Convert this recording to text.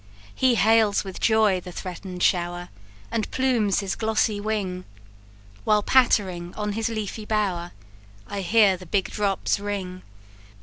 He hails with joy the threaten'd shower, And plumes his glossy wing; While pattering on his leafy bower, I hear the big drops ring.